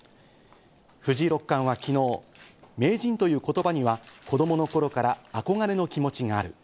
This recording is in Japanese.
藤井六冠は昨日、名人という言葉には子供の頃から憧れの気持ちがある。